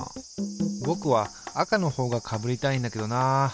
ぼくは赤のほうがかぶりたいんだけどな。